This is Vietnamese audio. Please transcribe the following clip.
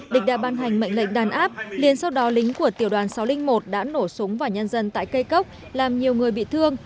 địch đã ban hành mệnh lệnh đàn áp liên sau đó lính của tiểu đoàn sáu trăm linh một đã nổ súng vào nhân dân tại cây cốc làm nhiều người bị thương